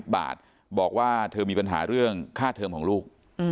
บาทบอกว่าเธอมีปัญหาเรื่องค่าเทอมของลูก